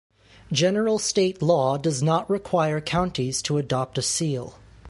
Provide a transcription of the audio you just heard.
General state law does not require counties to adopt a seal.